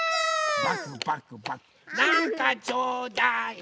なんかちょうだい！